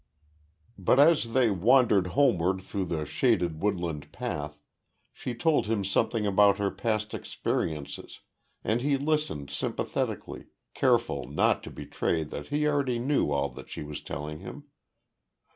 But as they wandered homeward through the shaded woodland path, she told him something about her past experiences, and he listened sympathetically, careful not to betray that he already knew all that she was telling him.